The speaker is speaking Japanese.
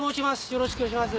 よろしくお願いします。